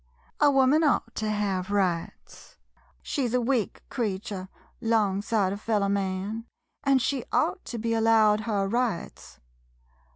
A woman ought to hev rights — she 's a weak creeture, 'long side of feller man, an' she ought to be al lowed her rights.